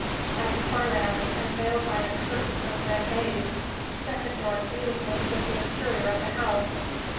At the far end, and veiled by a curtain of red baize, a second door communicated with the interior of the house.